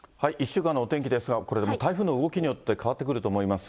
１週間のお天気ですが、これも台風の動きによって変わってくると思います。